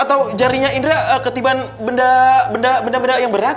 atau jarinya indra ketiban benda benda yang berat